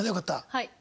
はい。